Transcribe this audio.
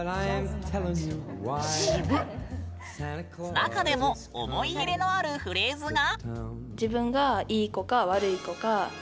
中でも思い入れのあるフレーズが。